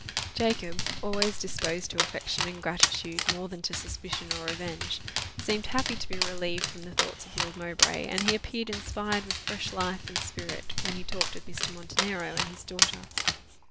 Jacob, always more disposed to affection and gratitude than to suspicion or revenge, seemed happy to be relieved from the thoughts of Lord Mowbray, and he appeared inspired with fresh life and spirit when he talked of Mr. Montenero and his daughter.